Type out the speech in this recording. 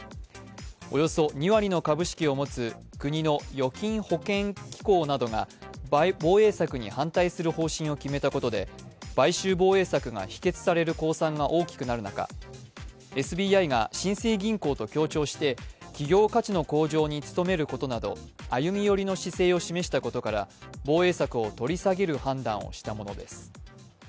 およそ２割の株式を持つ国の預金保険機構などが防衛策に反対する方針を決めたことで買収防衛策が否決される公算が大きくなる中、ＳＢＩが新生銀行と協調して企業価値の向上に務めるなど歩み寄りの姿勢を示したことから防衛策を取り下げる判断をしたものです。